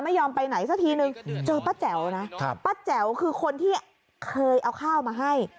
ไม่ยอมไปไหนสักทีนึงเจอป้าแจ๋วนะป้าแจ๋วคือคนที่เคยเอาข้าวมาให้